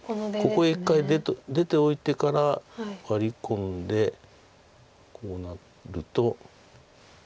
ここへ一回出ておいてからワリ込んでこうなると。